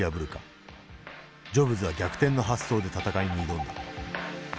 ジョブズは逆転の発想で戦いに挑んだ。